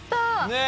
ねえ。